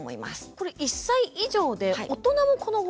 これ１歳以上で大人もこの方法で？